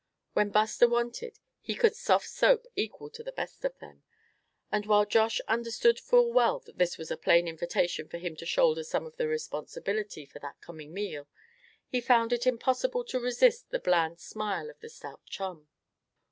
When Buster wanted he could "soft soap" equal to the best of them; and while Josh understood full well that this was a plain invitation for him to shoulder some of the responsibility for that coming meal, he found it impossible to resist the bland smile of the stout chum.